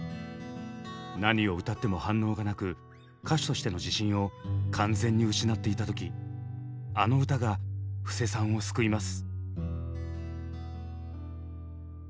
何を歌っても反応がなく歌手としての自信を完全に失っていた時あの歌が布施さんを救います。